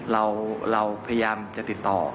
เราพยายามจะติดต่อ